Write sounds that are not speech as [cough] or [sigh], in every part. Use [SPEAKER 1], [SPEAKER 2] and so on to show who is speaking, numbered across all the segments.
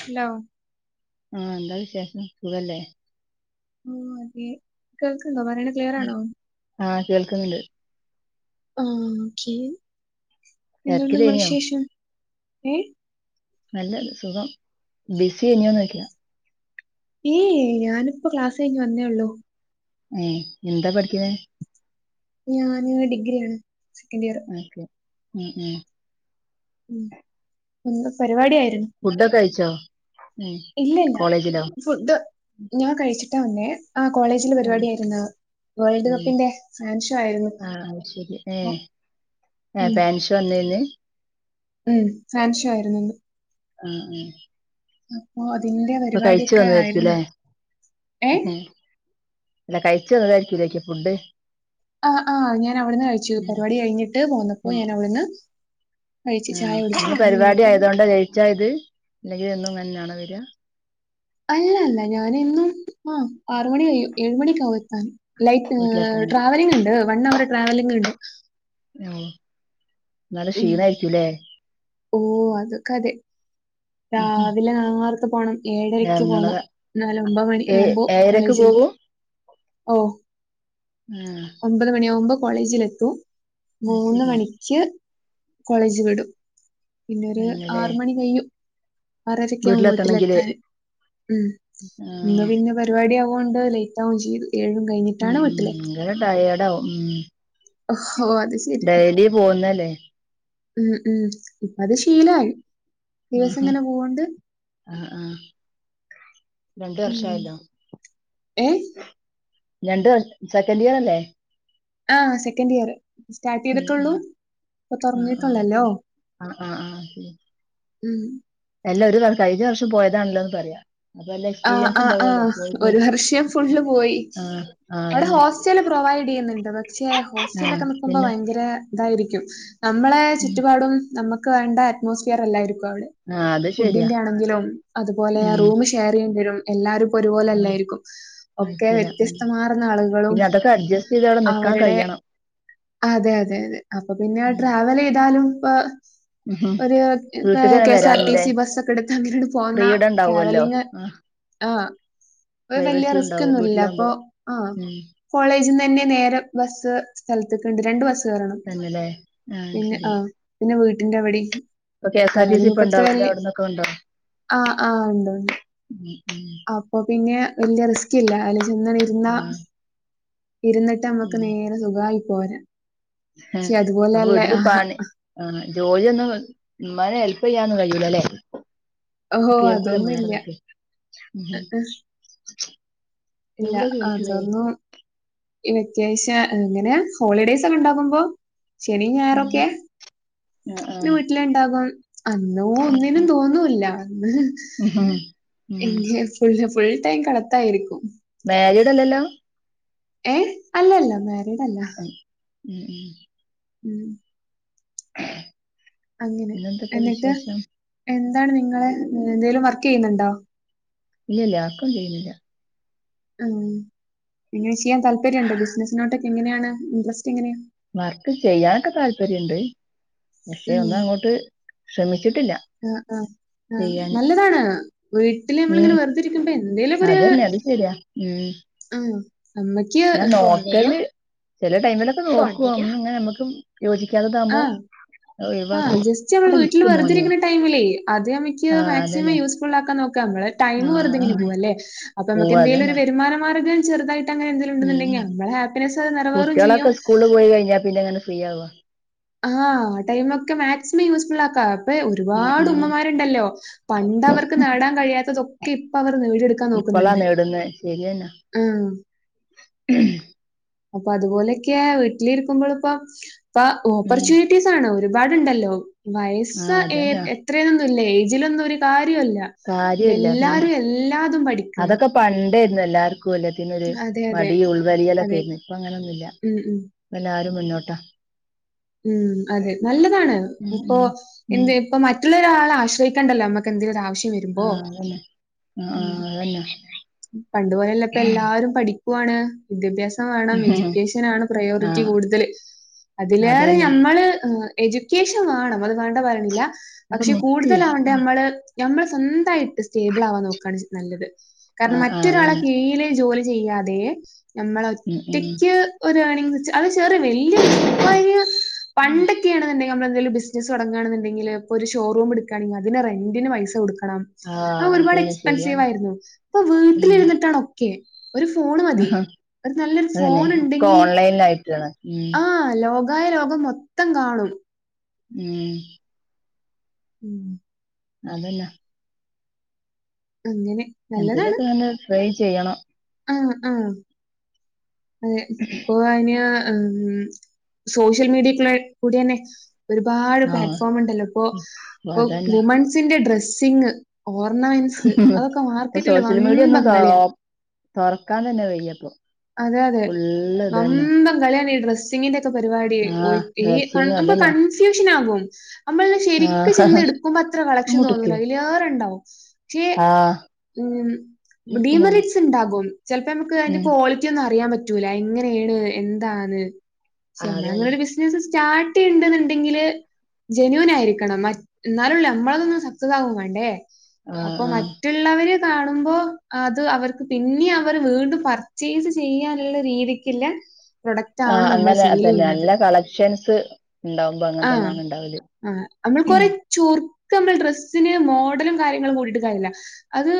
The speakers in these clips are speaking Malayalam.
[SPEAKER 1] ഹലോ
[SPEAKER 2] ആ എന്താ വിശേഷം സുഖല്ലേ
[SPEAKER 1] ഓ അതെ കേൾക്ക്ണ്ടോ പറയണ ക്ലിയറാണോ
[SPEAKER 2] ആഹ് കേൾക്കുന്നുണ്ട്
[SPEAKER 1] ആ ഓക്കെ എന്തുണ്ട് നിങ്ങള
[SPEAKER 2] തിരക്കിലേനിയോ
[SPEAKER 1] വിശേഷം ഏ
[SPEAKER 2] നല്ല സുഖം ബിസി ഇനിയോന്ന് ചോയിക്ക
[SPEAKER 1] ഏയ് ഞാനിപ്പോ ക്ലാസ് കഴിഞ് വന്നേള്ളു
[SPEAKER 2] ഏ എന്താ പഠിക്കുന്ന
[SPEAKER 1] ഞാന് ഡിഗ്രിയാണ് സെക്കൻഡ് ഇയർ
[SPEAKER 2] ഓക്കെ ഉം ഉം
[SPEAKER 1] ഉം ഒന്ന് പരിപാടി ആയി
[SPEAKER 2] ഫുഡൊക്കെ കയിച്ചോ
[SPEAKER 1] ഇല്ലല്ല ഫുഡ് ഞാൻ കഴിച്ചിട്ടാ വന്നേ ആ കോളേജിൽ
[SPEAKER 2] ഉം
[SPEAKER 1] പരിപാടിയായിരുന്ന് വേൾഡ്
[SPEAKER 2] ഉം
[SPEAKER 1] കപ്പിന്റെ ഫാൻ ഷോ ആയിരുന്നു
[SPEAKER 2] അത് ശരി ഏഹ് ആഹ്
[SPEAKER 1] ഉം
[SPEAKER 2] ഫാൻഷോ ഇന്നേനി
[SPEAKER 1] ഉം ഫാൻഷോ ആയിരുന്ന്
[SPEAKER 2] ആ ആഹ്
[SPEAKER 1] അപ്പൊ അതിന്റെ
[SPEAKER 2] ഇപ്പൊ
[SPEAKER 1] പരിപാടി
[SPEAKER 2] കഴിച്ചു
[SPEAKER 1] ഓക്കെ
[SPEAKER 2] വന്നതായിരിക്കുംല്ലേ
[SPEAKER 1] ആയിരുന്ന് ഏഹ്
[SPEAKER 2] ഇല്ല കഴിച്ച വന്നതായിരിക്കുംലേ ഫുഡ്
[SPEAKER 1] ആ ആഹ് ഞാൻ അവിടുന്ന് കയിച്ചു
[SPEAKER 2] ഉം
[SPEAKER 1] പരിപാടി കഴിഞ്ഞിട്ട് പോന്നപ്പോ ഞാൻ അവിടുന്ന് കഴിച്ച്
[SPEAKER 2] ആ
[SPEAKER 1] ചായ
[SPEAKER 2] ഇന്ന്
[SPEAKER 1] കുടിച്ചിട്ടാണ്
[SPEAKER 2] പരിപാടി
[SPEAKER 1] ഇങ്ങോട്ട് വന്നത്.
[SPEAKER 2] ആയതോണ്ട ലേറ്റ് ആയത് അല്ലെങ്കിൽ എന്നും ഇങ്ങനെയന്നാണോ വര
[SPEAKER 1] അല്ല അല്ല ഞാനിന്നും ആ ആറ് മണി കയ്യും ഏഴുമണിയൊക്കെ ആവും എത്താൻ ലൈക്ക്
[SPEAKER 2] വീട്ടിലെത്താന്
[SPEAKER 1] ട്രാവലിംഗ് ഇണ്ട് വൺ അവർ ട്രാവലിംഗിണ്ട്
[SPEAKER 2] ആ നല്ല ക്ഷീണായിരിക്കൂല്ലേ
[SPEAKER 1] ഓ അതൊക്കെ അതെ
[SPEAKER 2] ഉം ഉം
[SPEAKER 1] രാവിലെ നാർത്ത പോണം ഏഴരക്ക് പോണം
[SPEAKER 2] ഇറങ്ങണത്
[SPEAKER 1] എന്നാലെ ഒമ്പത്
[SPEAKER 2] ഏ
[SPEAKER 1] മണിയാ കുമ്പോ
[SPEAKER 2] ഏഴരക്ക്
[SPEAKER 1] കോളേജിൽ എത്തു
[SPEAKER 2] [inaudible]
[SPEAKER 1] ഓഹ്
[SPEAKER 2] ആഹ്
[SPEAKER 1] ഒമ്പത് മണിയാകുബോ കോളേജിൽ എത്തും
[SPEAKER 2] അത്
[SPEAKER 1] മൂന്ന്
[SPEAKER 2] ശരി
[SPEAKER 1] മണിക്ക് കോളേജ് വിടും, പിന്നൊര്
[SPEAKER 2] പിന്നല്ലേ
[SPEAKER 1] ആറ് മണി കയ്യും. ആറെരയൊക്കെയാവും
[SPEAKER 2] വീട്ടിലെത്തണെങ്കില്
[SPEAKER 1] വീട്ടിലെത്താന് ഉം. ഇന്ന്
[SPEAKER 2] ആഹ്
[SPEAKER 1] പിന്നെ പരിപാടിയാവു വോണ്ട് ലൈറ്റാവും ചെയ്യും, ഏഴും
[SPEAKER 2] ഉം
[SPEAKER 1] കഴിഞ്ഞിട്ടാണ് വീട്ടില് എത്ത.
[SPEAKER 2] ഭയങ്കര [unintelligible]
[SPEAKER 1] ഓ അത് ശരി.
[SPEAKER 2] ഡെയ്ലി പോകുന്നല്ലേ?
[SPEAKER 1] ഉം ഉം അത് ശീലവായി, ദിവസം
[SPEAKER 2] ആഹ്
[SPEAKER 1] ഇങ്ങനെ പോവോണ്ട്.
[SPEAKER 2] ആഹ് ആഹ് രണ്ട്
[SPEAKER 1] മ്
[SPEAKER 2] വർഷായല്ലോ
[SPEAKER 1] ഏ
[SPEAKER 2] രണ്ട് വർ സെക്കന്റിയറല്ലേ?
[SPEAKER 1] ആ സെക്കൻഡ് ഇയർ. സ്റ്റാർട്ട്
[SPEAKER 2] മം
[SPEAKER 1] ചെയ്തിട്ടുള്ളൂ ഇപ്പൊ
[SPEAKER 2] മം ആ
[SPEAKER 1] തുടങ്ങിയിട്ടുള്ളല്ലോ
[SPEAKER 2] ആ ആ ആഹ ശെരിയാ.
[SPEAKER 1] ഉം
[SPEAKER 2] എല്ലാം ഒരുകണക്കാ കഴിഞ്ഞ വർഷം പോയതാണല്ലോന്ന് പറയാം.
[SPEAKER 1] ആ ആ ആ ഒരു വർഷം ഫുള്ള് പോയി.
[SPEAKER 2] ആഹ് ആഹ്
[SPEAKER 1] അവിടെ
[SPEAKER 2] അതന്നെ
[SPEAKER 1] ഹോസ്റ്റല് പ്രോ പ്രൊവൈഡ് ചെയ്യുന്നുണ്ട് പക്ഷെ,
[SPEAKER 2] ആഹ്
[SPEAKER 1] ഹോസ്റ്റലൊക്കെ നിക്കുമ്പോ
[SPEAKER 2] പിന്നെ
[SPEAKER 1] ഭയങ്കരെ എന്തായിരിക്കും. നമ്മളെ...
[SPEAKER 2] ഉം
[SPEAKER 1] ചുറ്റുപാടും നമുക്ക് വേണ്ട അറ്റ്മോസ്ഫിയർ അല്ലായിരിക്കും. ബവിടെ.
[SPEAKER 2] ആഹ് അത് ശരിയാ
[SPEAKER 1] ഫുഡിന്റെ ആണെങ്കിലും, അതുപോലെ
[SPEAKER 2] ഉം
[SPEAKER 1] റൂമ് ഷെയർ ചെയ്യേണ്ടിവരും എല്ലാരും ഒരുപോലെ
[SPEAKER 2] ആഹ്
[SPEAKER 1] അല്ലായിരിക്കും. ഒക്കെ
[SPEAKER 2] അയക്കൂല ഉം
[SPEAKER 1] വ്യത്യസ്തമാർന്ന ആളുകളും
[SPEAKER 2] പിന്നെ അതൊക്കെ അഡ്ജസ്റ്റ് ചെയ്ത് അവിടെ നിക്കാൻ
[SPEAKER 1] അവരുടെ
[SPEAKER 2] കഴിയണം
[SPEAKER 1] അതെ അതെ അതെ അപ്പൊ പിന്നെ
[SPEAKER 2] ഉം
[SPEAKER 1] ട്രാവലെയ്താലും
[SPEAKER 2] ഉം
[SPEAKER 1] ഒരു ഏ
[SPEAKER 2] വീട്ട്ക്ക്
[SPEAKER 1] കെ എസ് ആർ ടി
[SPEAKER 2] വരാനില്ലേ
[SPEAKER 1] സി ബസ്സൊക്കെടുത്ത് അങ്ങനട് പോന്ന
[SPEAKER 2] ഫ്രീഡം ഉണ്ടാവുമല്ലോ
[SPEAKER 1] ട്രാവലിങ്
[SPEAKER 2] ആ
[SPEAKER 1] ആ വെവെല്ല്യ
[SPEAKER 2] പ്രൈവസി ഉണ്ടാവും
[SPEAKER 1] റിസ്ക്കൊന്നുല്ല
[SPEAKER 2] വീട്ടിലാകുമ്പോ
[SPEAKER 1] പ്പോ ആ
[SPEAKER 2] ഉം
[SPEAKER 1] കോളേജിന്ന് [unintelligible] നേരം ബസ്സ്‌ സ്ഥലത്ത്ക്ക്ണ്ട് രണ്ട് ബസ്സ്‌ കേറണം.
[SPEAKER 2] തന്നെല്ലേ ആഹ്
[SPEAKER 1] പിന്നെ
[SPEAKER 2] ശരി
[SPEAKER 1] ആ പിന്നെ വീട്ടിന്റെ അവിടിം.
[SPEAKER 2] ഇപ്പൊ K S R T C ഇപ്പ ഉണ്ടാവുംല്ലേ
[SPEAKER 1] [unintelligible]
[SPEAKER 2] അവിടന്നൊക്കെ ഉണ്ടോ
[SPEAKER 1] ആ ആ ഉണ്ട് ഉണ്ട്. അപ്പൊ
[SPEAKER 2] [inaudible]
[SPEAKER 1] പിന്നെ വല്ല്യ റിസ്ക് ഇല്ല. അതില് ചെന്നണ് ഇരുന്നാ
[SPEAKER 2] ആഹ്
[SPEAKER 1] ഇരുന്നിട്ട് അമ്മക്ക് നേരെ സുഖായി പോരാ
[SPEAKER 2] എ
[SPEAKER 1] പക്ഷെ
[SPEAKER 2] അപ്പൊ
[SPEAKER 1] അതുപോലെയല്ല
[SPEAKER 2] വിടുന്ന
[SPEAKER 1] ആഹാ
[SPEAKER 2] പണി ആ ജോലി ഒന്നും ഇമ്മാനെ ഹെല്പ് ചെയ്യാനൊന്നും കയ്യൂലലെ?
[SPEAKER 1] ഓഹ്
[SPEAKER 2] കേൾക്കൂല മ്മോ
[SPEAKER 1] അതൊന്നുല്ല. അഹ്, അഹ്.
[SPEAKER 2] [unintelligible]
[SPEAKER 1] ഇല്ല അതൊന്നും ഈ വെക്കേഷൻ എങ്ങനെയ ഹോളിഡേയ്സ് ഒക്കെ ഉണ്ടാകുമ്പോ ശനിം
[SPEAKER 2] ഉം
[SPEAKER 1] ഞായറൊക്കെ
[SPEAKER 2] ആഹ്
[SPEAKER 1] ന്ന്
[SPEAKER 2] ആഹ്
[SPEAKER 1] വീട്ടില് ഇണ്ടാകും അന്നോ ഒന്നിനും തോന്നൂല്ല.
[SPEAKER 2] ഉം ഉം
[SPEAKER 1] ഇന്ന് ഫുൾ ഫുൾ ടൈം കടത്തായിരിക്കും.
[SPEAKER 2] മേരീടല്ലല്ലോ അല്ലല
[SPEAKER 1] മാരീടല്ലല്ലോ?
[SPEAKER 2] ഉം [inaudible]
[SPEAKER 1] ഉം അങ്ങനെ
[SPEAKER 2] പിന്നെന്തൊക്കെ
[SPEAKER 1] എന്നിട്ട്?
[SPEAKER 2] വിശേഷം
[SPEAKER 1] എന്താണ് നിങ്ങള് എ എന്തേലും വർക്ക് ചെയ്യുന്നുണ്ടോ?
[SPEAKER 2] ഇല്ല ഇല്ല വർക്കൊന്നും ചെയ്ന്നില്ല.
[SPEAKER 1] ഉം. എങ്ങനെ ചെയ്യാൻ താല്പര്യം ഉണ്ടോ ബിസിനസിനോട്ടൊക്കെ എങ്ങനെയാണ് ഇൻട്രസ്റ്റ് എങ്ങനെയാ
[SPEAKER 2] വർക്ക് ചെയ്യാനൊക്കെ താല്പര്യണ്ട് പക്ഷെ,
[SPEAKER 1] ഉം,
[SPEAKER 2] ഒന്ന് അങ്ങോട്ട് ശ്രമിച്ചിട്ടില്ല.
[SPEAKER 1] ആ, ആ, ആ
[SPEAKER 2] ചെയ്യാന്
[SPEAKER 1] നല്ലതാണ്. വീട്ടില്
[SPEAKER 2] ഉം
[SPEAKER 1] നമ്മളിങ്ങനെ വെറുതരിക്കുംബോ എന്തേലൊക്കൊര്
[SPEAKER 2] അതന്നെ അത് ശരിയാ ഉം
[SPEAKER 1] ആ അമ്മയ്ക്ക്
[SPEAKER 2] ഞാൻ നോക്കല്, ചെല ടൈമിലൊക്കെ നോക്കും ഇങ്ങനെ നമ്മുക്കും യോജിക്കാത്തതാവുമ്പോ
[SPEAKER 1] ആ ജസ്റ്റ് നമ്മൾ വീട്ടിൽ വെറുതിരിക്കുന്ന ടൈമിലേ അത് നമക്ക്
[SPEAKER 2] ആഹ്
[SPEAKER 1] മാക്സിമം
[SPEAKER 2] അതന്നെ
[SPEAKER 1] യൂസ്ഫുൾ ആക്കാൻ നോക്ക നമ്മളെ ടൈം
[SPEAKER 2] ആഹ്
[SPEAKER 1] വെറുതെങ്ങനെ
[SPEAKER 2] ആഹ്
[SPEAKER 1] പോകല്ലേ, അപ്പ
[SPEAKER 2] പോവാ
[SPEAKER 1] നമക്ക്ന്തെലും
[SPEAKER 2] അതന്നെ
[SPEAKER 1] ഒരു വരുമാനമാർഗം
[SPEAKER 2] ഉം
[SPEAKER 1] അത് നിറവേറും ചെയ്യും.
[SPEAKER 2] കുട്ടികളൊക്കെ സ്കൂള് പോയി കഴിഞ്ഞാ പിന്നെ എങ്ങനെ ഫ്രീ ആവാ
[SPEAKER 1] ആ ആ ടൈമക്കെ മാക്സിമം യൂസ്ഫുൾ ആക്ക
[SPEAKER 2] ഉം
[SPEAKER 1] ഒരുപാട്
[SPEAKER 2] ഉം
[SPEAKER 1] ഉമ്മമാരുണ്ടല്ലോ പണ്ട് അവർക്ക് നേടാൻ കഴിയാത്തതൊക്കെ ഇപ്പ അവർ നേടിടുക്കാൻ
[SPEAKER 2] ഇപ്പളാ
[SPEAKER 1] നോക്കുന്നുണ്ട്
[SPEAKER 2] നേടുന്നെ
[SPEAKER 1] അ
[SPEAKER 2] ഉം
[SPEAKER 1] അപ്പൊ അതുപോലെയൊക്കെ വീട്ടിലിരിക്കുമ്പോ ൾപ്പം ഇ
[SPEAKER 2] ഉം
[SPEAKER 1] ഓപ്പർച്യൂരിറ്റീസ് ആണോ ഒരുപാട്ണ്ടല്ലോ വയസ്സാ
[SPEAKER 2] ആഹ്
[SPEAKER 1] എ
[SPEAKER 2] അതന്നെ
[SPEAKER 1] എത്രന്നല്ലേ എയ്ജിലൊന്നും ഒരു കാര്യല്ലാ [unintelligible] ല്ല
[SPEAKER 2] കാര്യല്ല അതന്നെ
[SPEAKER 1] എല്ലാരും എല്ലാതും പഠിക്കാ
[SPEAKER 2] അതൊക്കെ [unintelligible] എല്ലാർക്കും എല്ലാത്തി ഒരു
[SPEAKER 1] അതെ
[SPEAKER 2] മടി
[SPEAKER 1] അതെ.
[SPEAKER 2] ഉൾവലിയലൊക്കെരുന്നു ഇപ്പ അങ്ങനൊന്നുല്ലാ
[SPEAKER 1] ഉം ഉം.
[SPEAKER 2] പംല്ലാർക്കു മുന്നോട്ടാ
[SPEAKER 1] ഉം അതെ നല്ലതാണ്
[SPEAKER 2] ഉം
[SPEAKER 1] ഉപ്പൊ
[SPEAKER 2] ഉം ഉം
[SPEAKER 1] എന്ത് ഇപ്പൊ മറ്റുള്ള ആശ്രയികണ്ടല്ലോ മ്മക്കന്തേങ്കിലും ഒരാവശ്യം
[SPEAKER 2] ആ
[SPEAKER 1] രുമ്പോ
[SPEAKER 2] അതന്നെ ആ ആ അതന്നെ
[SPEAKER 1] പണ്ടപോലെല്ലപ്പ എല്ലാരും പഠിക്കാ ണ് വിദ്യാഭ്യാസം വേണം എഡ്യൂക്കേഷൻണ്
[SPEAKER 2] ആ
[SPEAKER 1] പ്രയോറിറ്റി കൂടുതൽ അതിലേറെ
[SPEAKER 2] അതന്നെ
[SPEAKER 1] നമ്മള് എജ്യൂക്കേഷൻ വേണം അത് വേണ്ട പറണില്ല
[SPEAKER 2] അപ്പൊ
[SPEAKER 1] പക്ഷെ
[SPEAKER 2] നിക്ക്
[SPEAKER 1] കൂടുതലവണ്ട നമ്മള് നമ്മൾ സ്വന്തമയിട്ട് സ്റ്റേബിൾ ആവാൻ നോക്കാണ് നല്ലത്
[SPEAKER 2] ആ
[SPEAKER 1] കാരണം
[SPEAKER 2] ആ
[SPEAKER 1] മറ്റൊരാളെ
[SPEAKER 2] അതന്നെ
[SPEAKER 1] കീഴില് ജോലി ചെയതെ നമ്മള്
[SPEAKER 2] ഉം ഉം
[SPEAKER 1] ഒറ്റക്ക്ഒരാളെ വുളിച്ച് [unintelligible] അയ്യോ പണ്ടൊക്കെയാണ്ണ്ടെങ്കിൽമ്മൾ ബിസിനസ് തുടങ്ങുകണെന്നുണ്ടങ്കിൽപ്പോ ഒരു ഷോറൂമ് എടുക്കുയാണെൽ അതിന് റെന്റിന് പൈസകൊടുക്കാം
[SPEAKER 2] ആ
[SPEAKER 1] അ ഒരുപാട്
[SPEAKER 2] അതന്നെ
[SPEAKER 1] എക്സ്പെൻസീവ
[SPEAKER 2] ശരിയാണ്
[SPEAKER 1] ആയിരുന്നു അപ്പൊ വീട്ടിലിരുന്നിട്ടാണ് ഒക്കെ ഒരു ഫോൺ മതി
[SPEAKER 2] ആ
[SPEAKER 1] ഒരു നല്ലൊരു
[SPEAKER 2] അതന്നെ
[SPEAKER 1] ഫോൺ
[SPEAKER 2] ഒക്കെ
[SPEAKER 1] ഉണ്ടെങ്കിൽ
[SPEAKER 2] ഓൺലൈനിലായിട്ടാണ് ഉം
[SPEAKER 1] ആ ലോകായ ലോഗം മൊത്തം കാണും
[SPEAKER 2] ഉം
[SPEAKER 1] ഉം.
[SPEAKER 2] അതല്ല
[SPEAKER 1] അങ്ങനെ നല്ലതാണ്
[SPEAKER 2] ഫ്രൈ ചെയ്യണം
[SPEAKER 1] ആ ആ അതെ ഇപ്പൊ അതിന് സോഷ്യൽ മീഡിയക്കുള്ള കൂടി തന്നെ ഒരുപാട്
[SPEAKER 2] ആ
[SPEAKER 1] പ്ലാറ്റ്ഫോമണ്ടല്ലോ ഇപ്പൊ
[SPEAKER 2] അപ്പൊ
[SPEAKER 1] ഇ
[SPEAKER 2] അതന്നെ
[SPEAKER 1] വുമൻസിന്റെ ഡ്രസ്സിങ് ഓർണമൻസ് അതൊക്കെ മാർക്കറ്റില് വമ്പം കളിയാ
[SPEAKER 2] തുറക്കാ തന്നെ വയ്യപ്പ
[SPEAKER 1] അതെ അതെ നന്തം കളിയാണ് ഈ ഡ്രെസ്സിങ്ങിന്റെ പരിപാടിയ
[SPEAKER 2] ആ ഡ്രസ്സിങ്
[SPEAKER 1] ന
[SPEAKER 2] അതന്നെ
[SPEAKER 1] കൺഫ്യൂഷൻ ആകും നമ്മളിന്ന്
[SPEAKER 2] ആ
[SPEAKER 1] ശരിക്ക് ചെന്ന് എടുക്കുമ്പോ അത്ര കളക്ഷൻ
[SPEAKER 2] ഇങ്ങോട്ട്ക്ക്
[SPEAKER 1] തോന്നൂല അതില് വേറെ ഉണ്ടാവും പക്ഷേ
[SPEAKER 2] ആ
[SPEAKER 1] ഉ
[SPEAKER 2] നിക്ക് മോനെ
[SPEAKER 1] ഡീമെറിറ്റ്സ് ഉണ്ടാകും ചിലപ്പോ നമുക്ക് അതിന്റെ
[SPEAKER 2] ഉം
[SPEAKER 1] കോളി അറിയാൻ പറ്റൂലാ എങ്ങനെയാണ് എന്താന്ന്
[SPEAKER 2] ആ,
[SPEAKER 1] പ
[SPEAKER 2] അതന്നെ
[SPEAKER 1] നമ്മളെ രു ബിസിനസ് സ്റ്റാർട്ട് ചെയ്യണ്ടെന്നുണ്ടെങ്കില് ജെനുവൻ ആയിരിക്കണം മ എന്നാലള്ള നമ്മളതൊന്നും സക്തതകും വേണ്ടേ
[SPEAKER 2] ആഹ്
[SPEAKER 1] അപ്പൊ
[SPEAKER 2] ആഹ്
[SPEAKER 1] മറ്റുള്ളവരെ കാണുമ്പോ അത് അവർക്ക് പിന്നെ അവര് വീണ്ടും പറത്ത് ചെയ്ത് ചെയ്യാനുള്ള രീതിക്കില്ല
[SPEAKER 2] ആ
[SPEAKER 1] പ്രൊഡക്റ്റാവണം നമ്മൾ
[SPEAKER 2] അങ്ങനെ അത് തന്നെ
[SPEAKER 1] സെയിലെയ്യ്ണത്.
[SPEAKER 2] നല്ല കളക്ഷൻസ് ഉണ്ടാവുമ്പോ അങ്ങനെ തന്നെയാണ് ഉണ്ടാവത്
[SPEAKER 1] ആ നമ്മൾ കൊറെ ചുർക്ക് നമ്മൾ ഡ്രസ്സിന് മോഡലും കാര്യങ്ങളും കൂടിടുക്കാര്യല്ലാ അത്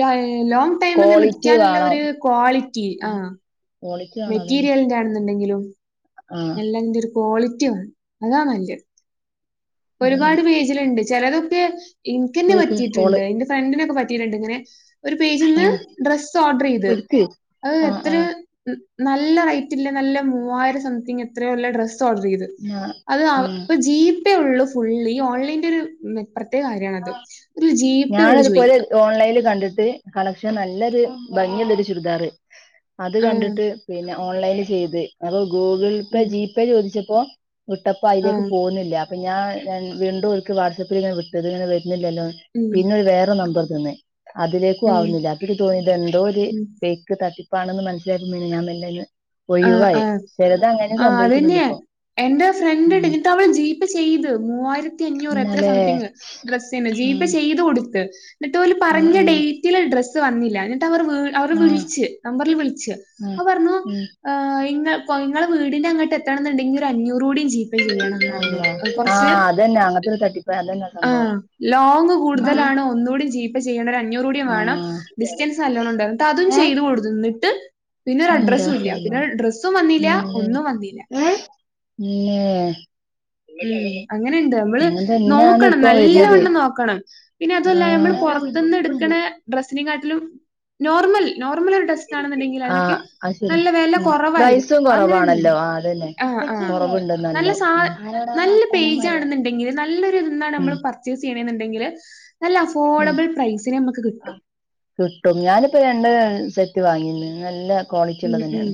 [SPEAKER 1] ല ലോങ് ടൈമിൽന്ന്
[SPEAKER 2] ക്വാളിറ്റി
[SPEAKER 1] നിൽക്കാനുള്ള
[SPEAKER 2] വേണം
[SPEAKER 1] ഒരു ക്വാളിറ്റി ആ
[SPEAKER 2] ഉം ക്വാളിറ്റി വേണം അതന്നെ
[SPEAKER 1] മെറ്റീരിയലിന്റെണെന്നണ്ടെങ്കിലും
[SPEAKER 2] ആഹ്
[SPEAKER 1] എല്ലെങ്കിലും ക്വാ.
[SPEAKER 2] അതന്നെ
[SPEAKER 1] ഒരുപാട് പേജിലിണ്ട് ചിലതൊക്കെ എനിക്കന്നെ
[SPEAKER 2] പോയോക്ക്
[SPEAKER 1] പറ്റിയിട്ടിണ്ട്
[SPEAKER 2] കോള്
[SPEAKER 1] എന്റെ ഫ്രണ്ടിനൊക്കെ പറ്റി. ട്ടിണ്ട് ഇങ്ങനെ ഒരു പേജ്ന്ന്
[SPEAKER 2] ആഹ്
[SPEAKER 1] ഡ്രസ് ഓർഡർ ചെയ്ത്
[SPEAKER 2] എടുക്ക്
[SPEAKER 1] അത്
[SPEAKER 2] ആഹ്
[SPEAKER 1] എത്ര.
[SPEAKER 2] ആഹ്
[SPEAKER 1] നല്ല റേറ്റില്ല നല്ല മൂവായിരം സംതിങ് എത്രയോ ഡ്രസ്സ്. ഡ്രസ്സ്‌ ഓർഡർയത്
[SPEAKER 2] ഞാ
[SPEAKER 1] അത്
[SPEAKER 2] ആഹ്
[SPEAKER 1] ജി പേ ഉള്ളു ഫുൾ ഇ ഓൺലൈൻ ന്റെ. ഒരു മെച്ചം പ്രത്യേകകാര്യണത് ഒരു ജീപ്പേള്ളു
[SPEAKER 2] ഞാനതുപോലെ
[SPEAKER 1] ചോയിക്ക.
[SPEAKER 2] ഓൺലൈനിൽ കണ്ടിട്ട് കളക്ഷൻ നല്ലൊരു ഭംങ്ങിള്ളൊരു ചുരിദാറ് അത്
[SPEAKER 1] ആഹ്.
[SPEAKER 2] കണ്ടിട്ട് പിന്നെ. ഓൺലൈന് ചെയ്ത് അപ്പൊ ഗൂഗിൾ പേ
[SPEAKER 1] ഉം.
[SPEAKER 2] ജി പേ ചോദിച്ചപ്പോ വിട്ടപ്പോ അയിലേക്ക്
[SPEAKER 1] ആഹ്.
[SPEAKER 2] പോകുന്നില്ല. അപ്പൊ ഞാൻഞാ വീണ്ടോ ഒൽക്ക് വാട്സ്ആപ്പിൽ ഇങ്ങനെ വിട്ടത് ഇങ്ങനെ വരുന്നില്ലല്ലോ
[SPEAKER 1] ഉം.
[SPEAKER 2] പിന്നെ ഒരു വേറെ നമ്പർ. തന്ന് അതിലേക്കും
[SPEAKER 1] ഉം.
[SPEAKER 2] ആവുന്നില്ല അപ്പനിക്ക് തോന്നിയത് ന്തോ ഒരു
[SPEAKER 1] ഉം.
[SPEAKER 2] ഫെക്ക് തട്ടിപ്പ്. ണെന്ന് മനസ്സിലായപ്പോ പിന്നെ ഞാൻ മെലെയ്ന്ന്
[SPEAKER 1] ആഹ്.
[SPEAKER 2] ഒഴിവായി
[SPEAKER 1] ആഹ്.
[SPEAKER 2] ചെലത് അങ്ങനെയും
[SPEAKER 1] ആഹ് അതന്നെയാ.
[SPEAKER 2] സംഭവിക്കിണ്ടപ്പോ.
[SPEAKER 1] എന്റെ ഫ്രണ്ട് ഉണ്ട് ന്നിട്ട് അവള് ജീപ്പേ ചെയ്ത് മൂവായിരത്തി അഞ്ഞൂറ് എത്ര
[SPEAKER 2] ഇന്നാലേ
[SPEAKER 1] സംതിങ്ങ്. ഡ്രസ്സിന് ജീ പ
[SPEAKER 2] ഉം
[SPEAKER 1] ചെയ്ത് കൊടുത്ത് ന്നിട്ട് ഓര്
[SPEAKER 2] ഉം
[SPEAKER 1] പറഞ്ഞ
[SPEAKER 2] ഉം
[SPEAKER 1] ഡേറ്റില് ഡ്രസ്സ് വന്നില്ല. ന്നിട്ടവർ അവർ അവർ
[SPEAKER 2] ആഹ്
[SPEAKER 1] വിളിച്ച് നമ്പറിൽ വിളിച്ച്
[SPEAKER 2] ആഹ്
[SPEAKER 1] അപ്പൊറഞ്ഞു.
[SPEAKER 2] ഉം
[SPEAKER 1] ആ ങ്ങൾ വീടിന്റെ അങ്ങട്ട എത്തണം ന്നുണ്ടെങ്കിൽ ഒരു അഞ്ഞൂറുടി. ജിപേ ചെയ്യണനറഞ്ഞു
[SPEAKER 2] അള്ളാ
[SPEAKER 1] കൊറച്ച്.
[SPEAKER 2] ആഹ് അതന്നെ അങ്ങനത്തെ ഒരു തട്ടിപ്പ് അതന്നെ
[SPEAKER 1] ആ
[SPEAKER 2] സംഭവം
[SPEAKER 1] ലോങ്ങ് കൂടുതലാണോ ഒന്നുടി ജീപ്പചെയ്യേണ ഒരു അഞ്ഞൂറൂടി വേ ണം
[SPEAKER 2] ആഹ്
[SPEAKER 1] ഡിസ്റ്റൻന്നാലോണ്ണംടന്നറഞ്ഞിട്ട് അതും ചെയ്ത് കൊടു. ഡ്രസ്സും വന്നില്ല
[SPEAKER 2] [unintelligible]
[SPEAKER 1] ഒന്നും വന്നില്ല.
[SPEAKER 2] നേ.
[SPEAKER 1] ഉം അങ്ങനെണ്ട് മ്മള്
[SPEAKER 2] തന്നെയാണ്
[SPEAKER 1] നോക്കണം
[SPEAKER 2] ഇപ്പൊ വരുന്നത്
[SPEAKER 1] നല്ലവണ്ണം നോക്കണം പിന്നെ അതല്ല നമ്മള് പോ.
[SPEAKER 2] ആഹ്
[SPEAKER 1] പുറത്തന്ന് എടുക്കണ ഡ്രിനാട്ടിലും നോർമൽ. നോർമൽ ഒരു ഡ്രസ്സ്‌ ആണെന്നുണ്ടെങ്കിൽ അതിനൊക്കെ
[SPEAKER 2] ആഹ് അത് ശരിയാ
[SPEAKER 1] നല്ല വില
[SPEAKER 2] ഉം പ്രൈസും
[SPEAKER 1] കുറവായിരിക്കും
[SPEAKER 2] കൊറവാണല്ലോ
[SPEAKER 1] അങ്ങനെയൊന്നുംല്ല.
[SPEAKER 2] ആഹ് അതന്നെ
[SPEAKER 1] ആ
[SPEAKER 2] കൊറവുണ്ട്
[SPEAKER 1] നല്ല
[SPEAKER 2] നല്ലോ
[SPEAKER 1] സാ.
[SPEAKER 2] ഉം
[SPEAKER 1] നല്ല പേജ ആണെന്നുണ്ടെങ്കില് നല്ലൊരു ഇതന്നാണ്
[SPEAKER 2] ഉം
[SPEAKER 1] നമ്മള് പർച്ചേസ് ചെയ്യണെന്നുണ്ടെങ്കില്.
[SPEAKER 2] കിട്ടും ഞാനിപ്പോ രണ്ട്. സെറ്റ് വാങ്ങിന്ന് നല്ല. ക്വാളിറ്റി
[SPEAKER 1] ഉം
[SPEAKER 2] ഉള്ളത്
[SPEAKER 1] ഉം
[SPEAKER 2] തന്നെയാണ്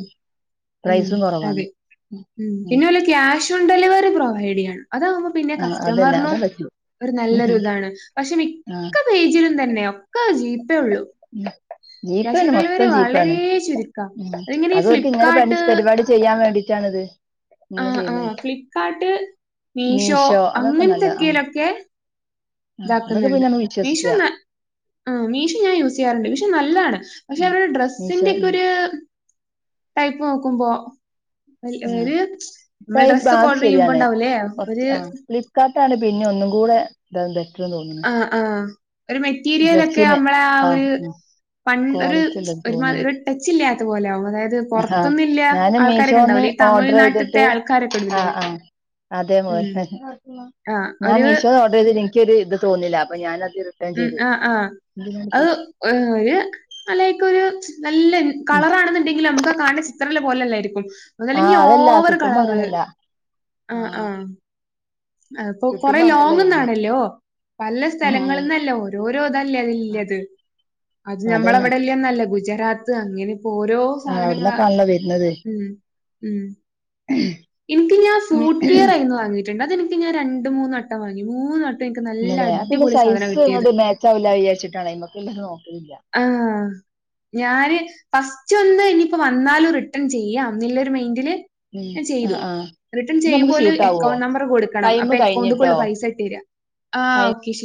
[SPEAKER 1] ഉം
[SPEAKER 2] പ്രൈസും കൊറവാണ്
[SPEAKER 1] അതെ ഉം പിന്നെല ക്യാഷ്. ഓൺ ഡെലിവറി പ്രൊവൈഡ് ചെയ്യണം അതാകുമ്പോ പിന്നെ
[SPEAKER 2] ആഹ് അതന്നെ
[SPEAKER 1] കസ്റ്റമറിനും.
[SPEAKER 2] അതാ പറ്റൂ
[SPEAKER 1] ഒരു നല്ലൊരു ഇതാണ് പക്ഷ
[SPEAKER 2] ആഹ്
[SPEAKER 1] മിക്ക പേജിലും തന്നെ ഒക്കെ ജീപ്പേ ഉള്ളൂ. ക്യാഷ്
[SPEAKER 2] ജീപ്പേണ്
[SPEAKER 1] ഓൺ
[SPEAKER 2] മൊത്തം
[SPEAKER 1] ഡെലിവറി
[SPEAKER 2] ജീപ്പാണ്
[SPEAKER 1] വളരെ ചുരുക്കാ.
[SPEAKER 2] ഉ
[SPEAKER 1] അതിങ്ങനെ ഈ
[SPEAKER 2] അതവർക്ക് ഇങ്ങനെ പണി
[SPEAKER 1] ഫ്ലിപ്കാർട്ട്
[SPEAKER 2] പരിപാടി ചെയ്യാൻ വേണ്ടി. ട്ടാന്നത്.
[SPEAKER 1] ആ ആഹ ഫ്ലിപ്കാർട്ട് മീഷോ
[SPEAKER 2] അതൊക്കെ നല്ല ആ
[SPEAKER 1] അങ്ങനത്തെൊക്കെയിലൊക്കെ.
[SPEAKER 2] ആ അതൊക്കെ
[SPEAKER 1] ഇതാക്കുന്നുണ്ട്
[SPEAKER 2] പിന്നെ നമ്മൾ
[SPEAKER 1] മീഷോ
[SPEAKER 2] വിശ്വസിക്കുക
[SPEAKER 1] ആ മീഷോ ഞാൻ യൂസ്. ചെയ്യാറുണ്ട് പക്ഷെ നലാണ് പക്ഷെ
[SPEAKER 2] ആ
[SPEAKER 1] അവരുടെ
[SPEAKER 2] മീശോ ഉം,
[SPEAKER 1] ഡ്രസിന്റെക്കൊരു. ട്ടയ്പ്പ് നോക്കുമ്പോ. വൽ ഒരു നമ്മൾ
[SPEAKER 2] ഉ
[SPEAKER 1] ഡ്രസ്സൊക്കെ
[SPEAKER 2] അത്
[SPEAKER 1] ഓർഡർ ചെയ്യുമ്പോ
[SPEAKER 2] ശരിയാണ്
[SPEAKER 1] ഉണ്ടാവൂലേ
[SPEAKER 2] കുറച്ച്
[SPEAKER 1] ഒരു
[SPEAKER 2] ആ ഫ്ലിപ്കാർട്ടാണ് പിന്നെ ഒന്നും. കൂടെ താതെ.
[SPEAKER 1] ആ ആ ഒരു മെറ്റീരിയലൊക്കെ
[SPEAKER 2] ഡ്രസ്സിന്
[SPEAKER 1] നമ്മളെ ആ ഒരു.
[SPEAKER 2] ആ
[SPEAKER 1] പണ്ട്‌ ഒരു
[SPEAKER 2] ക്വാളിറ്റി ഉള്ളത്
[SPEAKER 1] ഒരുമാരി
[SPEAKER 2] തോന്നുന്നു
[SPEAKER 1] ടച്ച് ഇല്ലാത്ത പോലാകും അതായത് പുറത്തൊന്നും ഇല്യ ആൾക്കാരൊക്കെണ്ടാവില്ല.
[SPEAKER 2] ഓഡർ ചെയ്തിട്ട് ആ ആ അതേ
[SPEAKER 1] ഉം
[SPEAKER 2] പോലെ.
[SPEAKER 1] ആഹ്
[SPEAKER 2] ഞാൻ
[SPEAKER 1] ഒരു
[SPEAKER 2] മീഷോന്ന് ഓർഡർ ചെയ്തിട്ട് നിക്കൊരു ഒരു ഇത് തോന്നില്ല അപ്പൊ ഞാനത് റിട്ടേൺ ചെയ്ത്.
[SPEAKER 1] ആ ആ
[SPEAKER 2] എന്തിനാണ്
[SPEAKER 1] അത്
[SPEAKER 2] ഇത്?
[SPEAKER 1] ഒരു അലൈക്കൊരു നല്ല.
[SPEAKER 2] ഉം.
[SPEAKER 1] കളറണെന്നുണ്ടെങ്കിൽ നമുക്ക് കാണചിത്രം പോലെല്ലായിരിക്കും.
[SPEAKER 2] ആ
[SPEAKER 1] അതല്ലെങ്കി
[SPEAKER 2] അതല്ല
[SPEAKER 1] ഓവർ
[SPEAKER 2] കിട്ടുമ്പോ
[SPEAKER 1] കളറ്
[SPEAKER 2] അങ്ങനല്ല
[SPEAKER 1] ആ ആ അപ്പൊ കൊറെ
[SPEAKER 2] കിട്ടുമ്പോ അങ്ങനല്ല വരുന്നത്
[SPEAKER 1] ലോങ്ന്നാണല്ലോ. പല
[SPEAKER 2] ഉം ഉം.
[SPEAKER 1] സ്ഥലങ്ങളന്നല്ല ഓരോരോ ഇതല്ലേ
[SPEAKER 2] ആ
[SPEAKER 1] തല്ലത് അത് നമ്മൾ
[SPEAKER 2] അതന്നെ
[SPEAKER 1] അവിടെല്ലന്നല്ല. ഗുജറത്ത് അങ്ങനെപ്പോ ഓരോ
[SPEAKER 2] ആ
[SPEAKER 1] സാധനങ്ങള
[SPEAKER 2] അവിടന്നൊക്കാണല്ലോ വരുന്നത്
[SPEAKER 1] ഉം ഉം. നിക്ക് ഞാൻ ഫൂഡ് വെയർയിന്ന് വാങ്ങിട്ടുണ്ട് അതനിക്ക് ഞാൻ രണ്ട്‌ മൂന്ന വട്ടം വാങ്ങി മൂന്നട്ടം.
[SPEAKER 2] ഇങ്ങനെ പിന്നെ സൈസ് ഇങ്ങോട്ട് മേച്ചാവില്ല വിജാരിച്ചിട്ടാണ് അയ്ക്കല്യൊരു.
[SPEAKER 1] ആ ഞാന് ഫസ്റ്റ് ഒന്ന് ഇനിയിപ്പോ വന്നാലും റിട്ടേൺ ചെയ്യാംില്ലരു മൈന്റില്
[SPEAKER 2] ഉം ആ ആഹ
[SPEAKER 1] റിട്ടേൺ ചെയ്യുമ്പോും അക്കൗണ്ട് നമ്പർ കൊടുക്കണം
[SPEAKER 2] ടൈം
[SPEAKER 1] അപ്പൊ അക്കൗണ്ട് കൊള്ളൂ
[SPEAKER 2] കഴിഞ്ഞിട്ടോ
[SPEAKER 1] പൈസ ഇട്ട് തരിക ആ
[SPEAKER 2] ടൈം
[SPEAKER 1] ഓക്കെ ശരി